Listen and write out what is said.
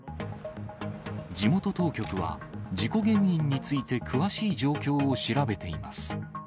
地元当局は、事故原因について詳しい状況を調べています。